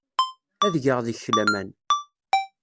Ad geɣ deg-k laman.